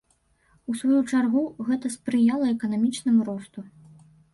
У сваю чаргу, гэта спрыяла эканамічнаму росту.